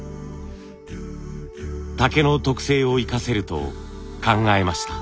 竹の特性を生かせると考えました。